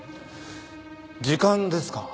時間ですか？